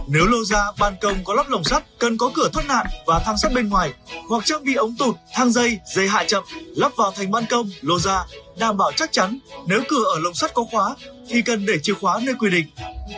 nếu lô ra ban công có lắp lồng sắt cần có cửa thoát nạn và thang sắt bên ngoài hoặc trang bị ống tụt thang dây dây hạ chậm lắp vào thành ban công lô ra đảm bảo chắc chắn nếu cửa ở lồng sắt có khóa thì cần để chìa khóa nơi quy định